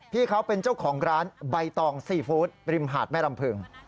พี่เขาเป็นเจ้าของร้านใบตองซีฟู้ดริมหาดแม่ลำพึง